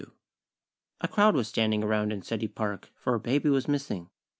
XXXII A crowd was standing around in City Park, for a baby was missing.